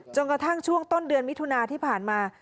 กระทั่งช่วงต้นเดือนมิถุนาที่ผ่านมา